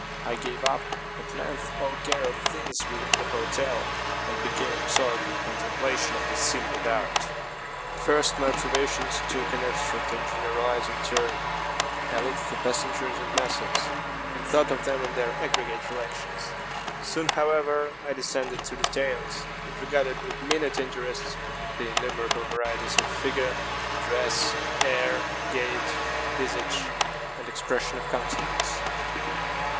I gave up, at length, all care of things within the hotel, and became absorbed in contemplation of the scene without. At first my observations took an abstract and generalizing turn. I looked at the passengers in masses, and thought of them in their aggregate relations. Soon, however, I descended to details, and regarded with minute interest the innumerable varieties of figure, dress, air, gait, visage, and expression of countenance.